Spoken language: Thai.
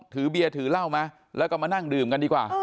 ถือเบียร์ถือเหล้ามาแล้วก็มานั่งดื่มกันดีกว่า